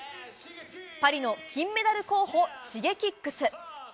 パリの金メダル候補、シゲキックス。